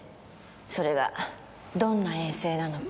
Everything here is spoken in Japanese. それがどんな衛星なのか。